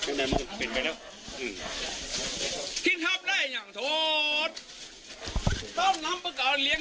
แค้นเหล็กเอาไว้บอกว่ากะจะฟาดลูกชายให้ตายเลยนะ